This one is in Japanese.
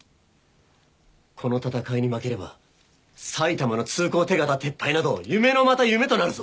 この戦いに負ければ埼玉の通行手形撤廃など夢のまた夢となるぞ！